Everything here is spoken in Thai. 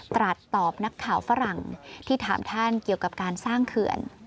ตรัสตอบนักข่าวฝรั่งที่ถามท่านเกี่ยวกับการสร้างเขื่อน